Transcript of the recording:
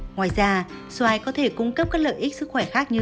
ngoài ra xoài có thể cung cấp các lợi ích sức khỏe khác như